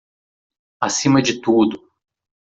Acima de tudo